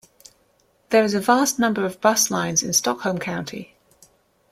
There is a vast number of bus lines in Stockholm County.